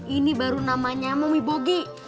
ini baru namanya mumi bogi